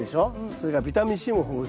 それからビタミンＣも豊富です。